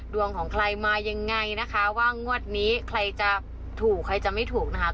ดวงของใครมายังไงนะคะว่างวดนี้ใครจะถูกใครจะไม่ถูกนะคะ